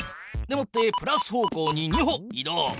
でもってプラス方向に２歩い動。